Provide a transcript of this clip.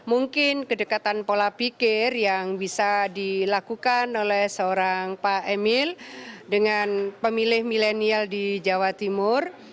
mungkin kedekatan pola pikir yang bisa dilakukan oleh seorang pak emil dengan pemilih milenial di jawa timur